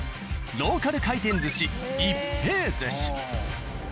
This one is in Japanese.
ローカル回転寿司「一平鮨」。